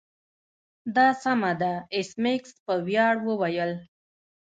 دا سمه ده ایس میکس په ویاړ وویل